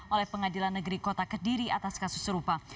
oleh pengadilan negeri kota kediri atas kasus serupa